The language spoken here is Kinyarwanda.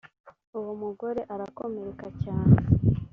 uwo mugore arakomereka cyane